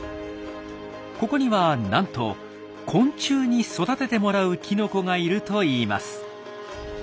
ここにはなんと昆虫に育ててもらうきのこがいるといいます。